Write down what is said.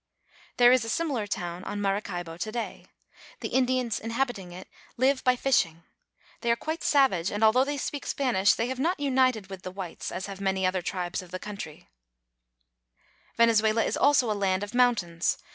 There is a similar town on Maracaibo to day. The Indians inhabiting it live by fishing. They are quite savage, and although they speak Spanish, they have not united with the whites, as have many other tribes of the country, Venezuela is also a land of mountains.